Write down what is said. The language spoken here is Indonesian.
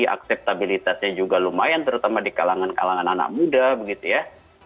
akseptabilitasnya juga lumayan terutama di kalangan kalangan anak muda begitu ya